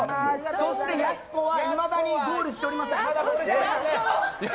そして、やす子はいまだにゴールしておりません。